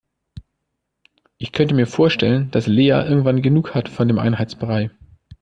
Ich könnte mir vorstellen, dass Lea irgendwann genug hat von dem Einheitsbrei.